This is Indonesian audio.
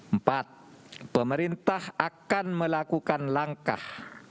empat pemerintah akan melakukan langkah